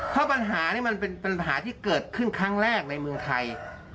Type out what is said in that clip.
เพราะปัญหานี่มันเป็นปัญหาที่เกิดขึ้นครั้งแรกในเมืองไทย